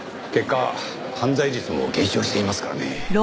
結果犯罪率も減少していますからね。